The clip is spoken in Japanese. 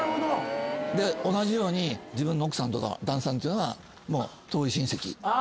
同じように自分の奥さんとか旦那さんっていうのが遠い親戚。